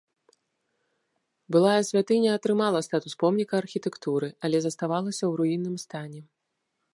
Былая святыня атрымала статус помніка архітэктуры, але заставалася ў руінным стане.